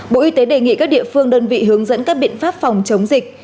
bộ y tế đề nghị các địa phương đơn vị hướng dẫn các biện pháp phòng chống dịch